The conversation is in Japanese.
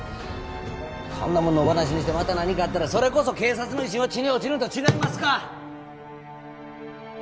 こんなもん野放しにしてまた何かあったらそれこそ警察の威信は地に落ちるんと違いますか？